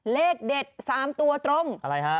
เลขเด็ด๓ตัวตรงอะไรฮะ